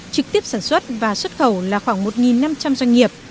trực tiếp sản xuất và xuất khẩu là khoảng một năm trăm linh doanh nghiệp